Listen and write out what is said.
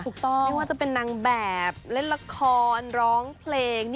ไม่ว่าจะเป็นนางแบบเล่นละครร้องเพลง